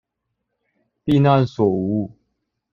避難所無誤